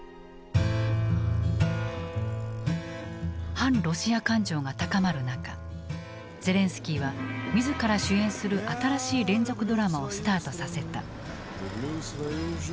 反ロシア感情が高まる中ゼレンスキーは自ら主演する新しい連続ドラマをスタートさせた。